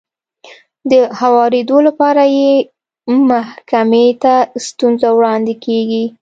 د هوارېدو لپاره يې محکمې ته ستونزه وړاندې کېږي.